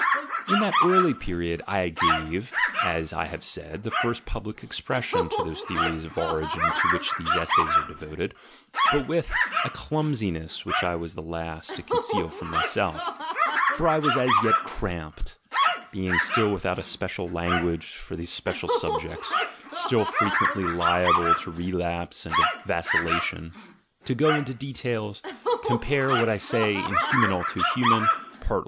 In that early period I gave, as I have said, the first public expression to those theories of origin to which these essays are devoted, but with a clumsiness which I was the last to conceal from myself, for I was as yet cramped, being still without a special language for these special subjects, still frequently liable to relapse and to vi PREFACE vacillation. To go into details, compare what T say in Human, all too Human, part i.